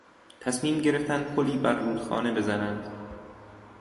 تصمیم گرفتند پلی بر رودخانه بزنند.